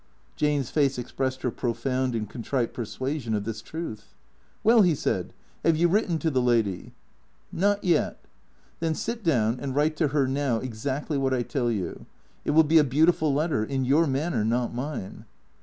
Jane's face expressed her profound and contrite persuasion of this truth. " Well," he said, " have you written to the lady ?"" Not yet." " Then sit down and write to her now exactly what I tell you. It will be a beautiful letter; in your manner, not mine."